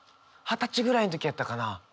二十歳ぐらいの時やったかな？